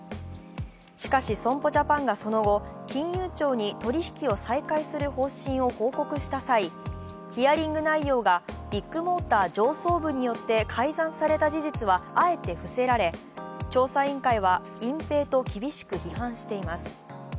しかし損保ジャパンがその後、金融庁に取り引きを再開する方針を報告した際、ヒアリング内容が、ビッグモーター上層部によって改ざんされた事実はあえて伏せられ、調査委員会は隠蔽と厳しく批判しています。